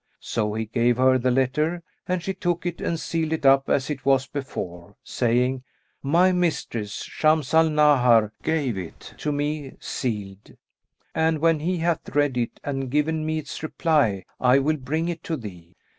So he gave her the letter and she took it and sealed it up as it was before, saying, "My mistress Shams al Nahar gave it to me sealed; and when he hath read it and given me its reply, I will bring it to thee."